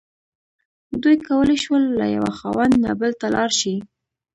دوی کولی شول له یوه خاوند نه بل ته لاړ شي.